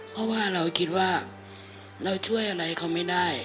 เพราะว่าเราคิดว่าเราช่วยอะไรเขาไม่ได้